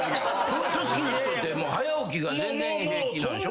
ホント好きな人って早起きが全然平気なんでしょ。